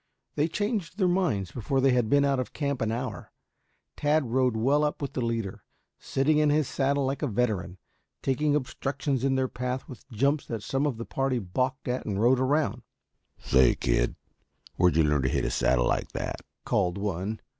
They changed their minds before they had been out of camp an hour. Tad rode well up with the leader, sitting in his saddle like a veteran, taking obstructions in their path with jumps that some of the party balked at and rode around. "Say, kid, where'd you learn to hit a saddle like that?" called one.